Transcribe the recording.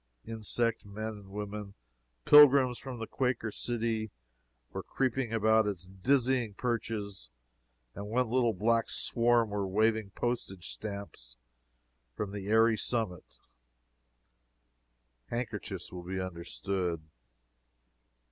Insect men and women pilgrims from the Quaker City were creeping about its dizzy perches, and one little black swarm were waving postage stamps from the airy summit handkerchiefs will be understood.